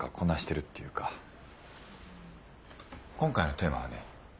今回のテーマはね